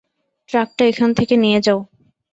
ট্রাকটা এখান থেকে নিয়ে যাও!